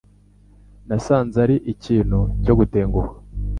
Nasanze ari ikintu cyo gutenguha.